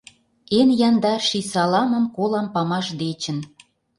Эн яндар ший саламым колам памаш дечын.